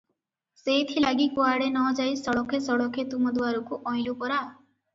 ସେଇଥିଲାଗି କୁଆଡ଼େ ନ ଯାଇ ସଳଖେ ସଳଖେ ତୁମ ଦୁଆରକୁ ଅଇଲୁଁ ପରା!